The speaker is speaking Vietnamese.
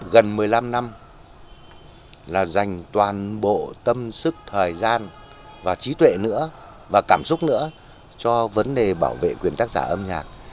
gần một mươi năm năm là dành toàn bộ tâm sức thời gian và trí tuệ nữa và cảm xúc nữa cho vấn đề bảo vệ quyền tác giả âm nhạc